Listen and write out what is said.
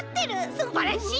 すばらしい！